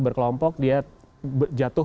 berkelompok dia jatuh